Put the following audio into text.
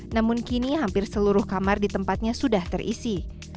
namun kini hampir seluruh kamar di tempatnya sudah terisi